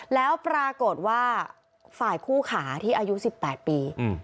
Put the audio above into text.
แล้วปรากฏว่าฝ่ายคู่ขาที่อายุ๑๘ปี